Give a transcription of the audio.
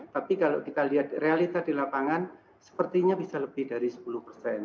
tapi kalau kita lihat realita di lapangan sepertinya bisa lebih dari sepuluh persen